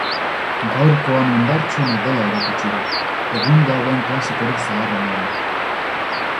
Gaurkoan indartsuena dela erakutsi du, egun dagoen klasikorik zaharrenean.